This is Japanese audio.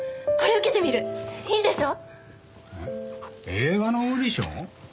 映画のオーディション？